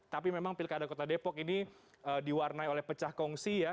tapi memang pilkada kota depok ini diwarnai oleh pecah kongsi ya